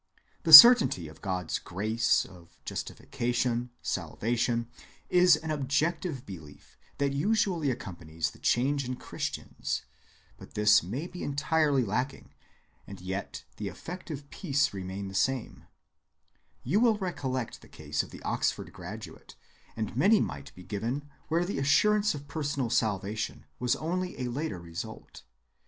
The certainty of God's "grace," of "justification," "salvation," is an objective belief that usually accompanies the change in Christians; but this may be entirely lacking and yet the affective peace remain the same—you will recollect the case of the Oxford graduate: and many might be given where the assurance of personal salvation was only a later result.